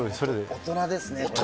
大人ですね。